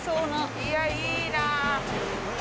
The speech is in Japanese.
いやいいな。